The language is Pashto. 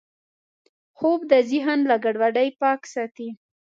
خوب د ذهن له ګډوډۍ پاک ساتي